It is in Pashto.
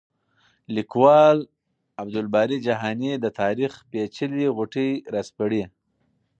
لیکوال عبدالباري جهاني د تاریخ پېچلې غوټې راسپړي.